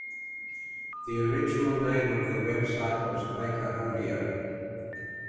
The original name of the website was Quakeholio.